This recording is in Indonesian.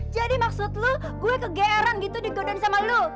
jadi maksud lu gue kegeran gitu digodein sama lu